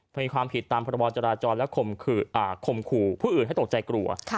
มีความผิดตามพรบจราจรและข่มขู่ผู้อื่นให้ตกใจกลัว